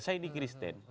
saya ini kristen